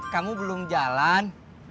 kamu belum jalan